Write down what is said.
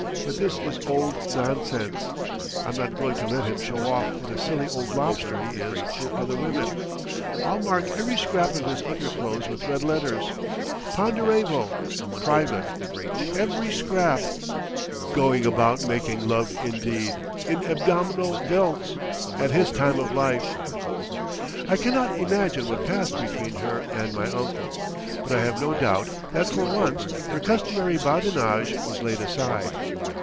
But this is old nonsense.... I'm not going to let him show off what a silly old lobster he is to other women.... I'll mark every scrap of his underclothes with red letters, 'Ponderevo Private'—every scrap. "Going about making love indeed,—in abdominal belts!—at his time of life!" I cannot imagine what passed between her and my uncle. But I have no doubt that for once her customary badinage was laid aside.